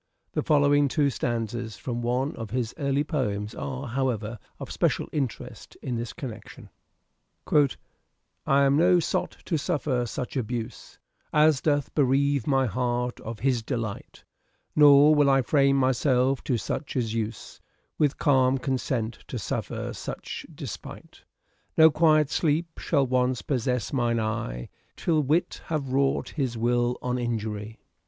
The following two stanzas from one of his early poems are, however, of special interest in this connection :—" I am no sot to suffer such abuse, As doth bereave my heart of his delight ; Nor will I frame myself to such as use, With calm consent to suffer such despite. No quiet sleep shall once possess mine eye, Till wit have wrought his will on injury.